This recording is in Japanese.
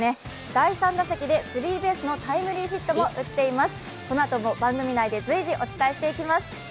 第３打席でスリーベースのタイムリーヒットも打っています。